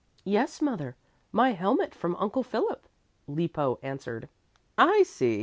"Yes, mother, my helmet from Uncle Philip," Lippo answered. "I see!